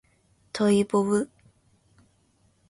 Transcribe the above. トイボブ